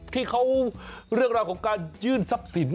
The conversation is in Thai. ที่เขาเรื่องราวของการยื่นทรัพย์สิน